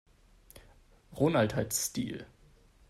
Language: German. Ronald hat Stil.